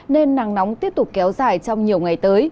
nên nắng nóng tiếp tục kéo dài trong nhiều ngày tới